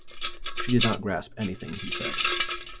She did not grasp anything he said.